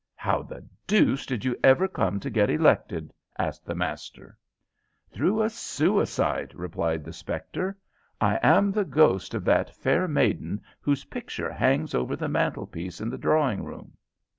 "How the deuce did you ever come to get elected?" asked the master. "Through a suicide," replied the spectre. "I am the ghost of that fair maiden whose picture hangs over the mantel piece in the drawing room.